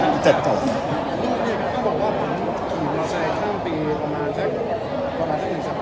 แต่ตั้งแต่กลับมานี่ยังไม่ได้โชว์รูป